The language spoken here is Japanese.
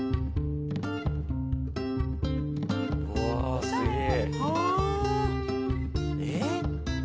うわすげぇ！